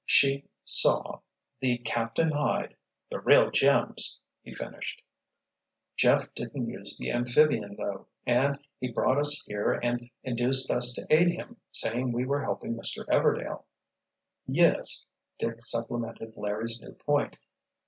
"She—saw—the—captain hide—the real gems!" he finished. "Jeff didn't use the amphibian, though. And he brought us here and induced us to aid him, saying we were helping Mr. Everdail." "Yes," Dick supplemented Larry's new point.